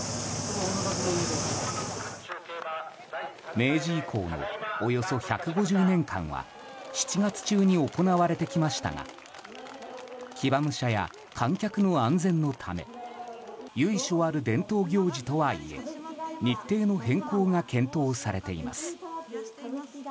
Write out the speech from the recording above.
明治以降のおよそ１５０年間は７月中に行われてきましたが騎馬武者や観客の安全のため由緒ある伝統行事とはいえ日程の変更が検討されています。